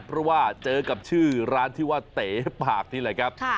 เพราะว่าเจอกับชื่อร้านที่ว่าเต๋ปากนี่แหละครับ